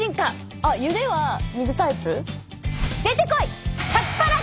あっゆではみずタイプ？